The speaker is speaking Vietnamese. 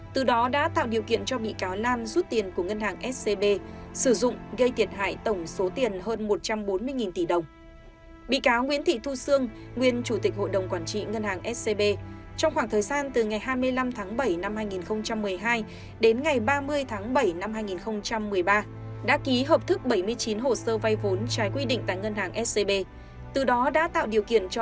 từ đó đã tạo điều kiện cho bị cáo lan rút tiền của ngân hàng scb sử dụng gây thiệt hại tổng số tiền gần bảy tỷ đồng